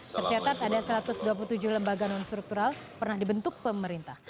tercatat ada satu ratus dua puluh tujuh lembaga non struktural pernah dibentuk pemerintah